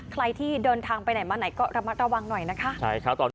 ใครที่เดินทางไปไหนมาไหนก็ระมัดระวังหน่อยนะคะ